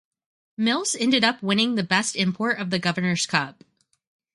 Mills ended up winning the Best Import of the Governors' Cup.